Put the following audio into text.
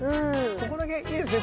ここだけいいですね